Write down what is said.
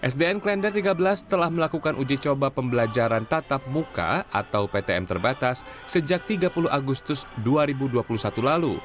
sdn klender tiga belas telah melakukan uji coba pembelajaran tatap muka atau ptm terbatas sejak tiga puluh agustus dua ribu dua puluh satu lalu